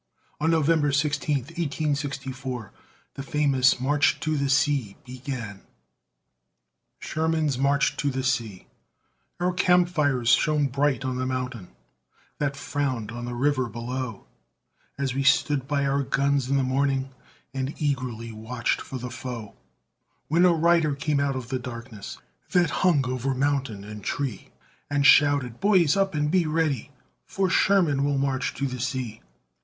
On November 16, 1864, the famous "march to the sea" began. SHERMAN'S MARCH TO THE SEA Our camp fires shone bright on the mountain That frowned on the river below, As we stood by our guns in the morning, And eagerly watched for the foe; When a rider came out of the darkness That hung over mountain and tree, And shouted: "Boys, up and be ready! For Sherman will march to the sea."